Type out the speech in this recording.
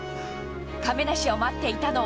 亀梨を待っていたのは。